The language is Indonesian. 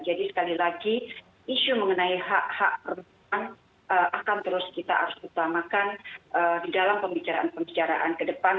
jadi sekali lagi isu mengenai hak hak perempuan akan terus kita harus utamakan di dalam pembicaraan pembicaraan kedepannya